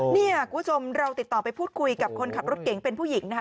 เนี่ยคุณผู้ชมเราติดต่อไปพูดคุยกับคนขับรถเก๋งเป็นผู้หญิงนะคะ